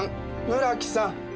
村木さん？